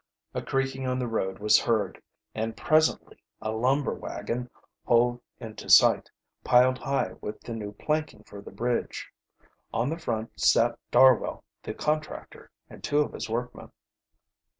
A creaking on the road was heard, and presently a lumber wagon hove into sight, piled high with the new planking for the bridge. On the front sat Darwell the contractor and two of his workmen.